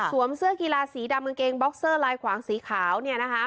เสื้อกีฬาสีดำกางเกงบ็อกเซอร์ลายขวางสีขาวเนี่ยนะคะ